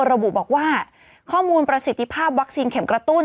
ระบุบอกว่าข้อมูลประสิทธิภาพวัคซีนเข็มกระตุ้น